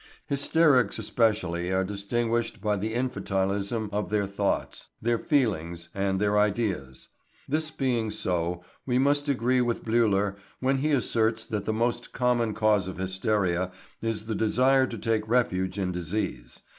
Hysterics especially are distinguished by the infantilism of their thoughts, their feelings, and their ideas. This being so, we must agree with Bleuler when he asserts that the most common cause of hysteria is the desire to take refuge in disease.